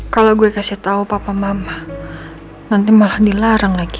kalau gue kasih tau papa mama nanti malah dilarang lagi